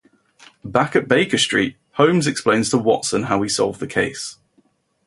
Back at Baker Street, Holmes explains to Watson how he solved the case.